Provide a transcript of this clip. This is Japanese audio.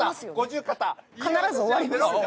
必ず終わりますよね？